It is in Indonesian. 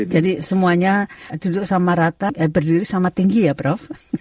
semuanya duduk sama rata eh berdiri sama tinggi ya prof